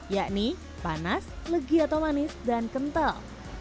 yakni panas legi atau manis dan kental